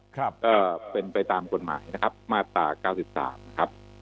ครับก็เป็นไปตามกฎหมายนะครับมาตราเก้าสิบสามนะครับ